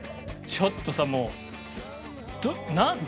ちょっとさもう。